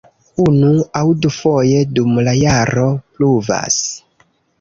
Unu- aŭ dufoje dum la jaro pluvas.